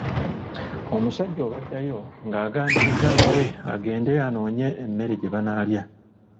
Omusajja olwaddayo ng’agambye mukyala we agende anoonye emmere gye banaalya.